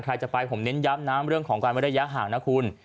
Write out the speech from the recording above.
ใครจะไปผมเน้นย้ำนะเรื่องของการเว้นระยะห่างนะคุณ